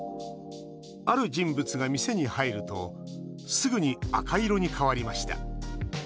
ある人物が店に入るとすぐに赤色に変わりました。